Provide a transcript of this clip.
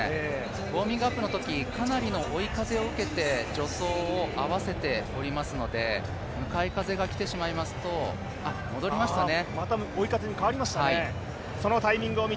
ウォーミングアップのとき、かなりの追い風を受けて助走を合わせていますので向かい風が来てしまいますと戻りましたね。